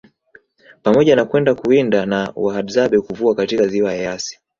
Pamoja na kwenda kuwinda na wahadzabe Kuvua katika Ziwa Eyasi